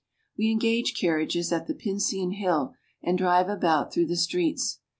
415 We engage carriages at the Pincian Hill and drive about through the streets.